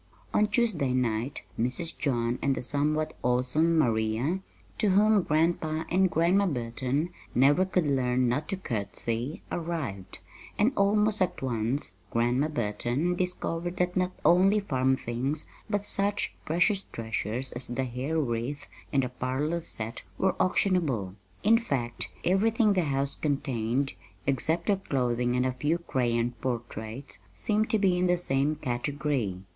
On Tuesday night Mrs. John and the somewhat awesome Maria to whom Grandpa and Grandma Burton never could learn not to curtsy arrived; and almost at once Grandma Burton discovered that not only "farm things," but such precious treasures as the hair wreath and the parlor set were auctionable. In fact, everything the house contained, except their clothing and a few crayon portraits, seemed to be in the same category.